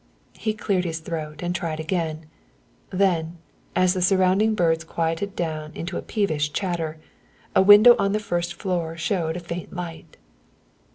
He cleared his throat and tried again, then, as the surrounding birds quieted down into a peevish chatter, a window on the first floor showed a faint light.